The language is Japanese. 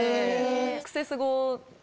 クセスゴで。